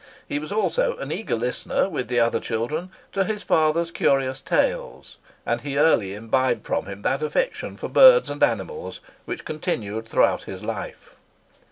He was also an eager listener, with the other children, to his father's curious tales; and he early imbibed from him that affection for birds and animals which continued throughout his life.